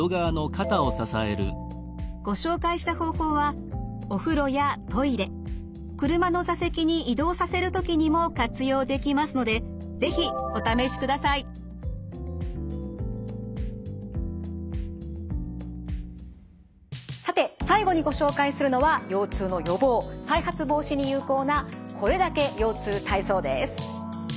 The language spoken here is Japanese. ご紹介した方法はお風呂やトイレ車の座席に移動させる時にも活用できますのでさて最後にご紹介するのは腰痛の予防・再発防止に有効な「これだけ腰痛体操」です。